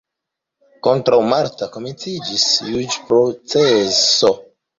Kontraŭ Marta komenciĝis juĝproceso.